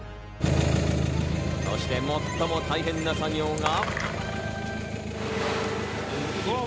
そして最も大変な作業が。